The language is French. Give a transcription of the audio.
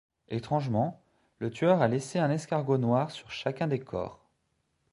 Étrangement, le tueur a laissé un escargot noir sur chacun des corps.